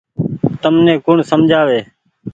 تمني ڪوڻ سمجها وي ۔